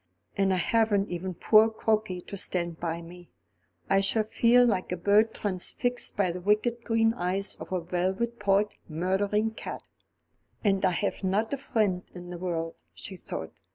And I haven't even poor Crokey to stand by me. I shall feel like a bird transfixed by the wicked green eyes of a velvet pawed murdering cat." "And I have not a friend in the world," she thought.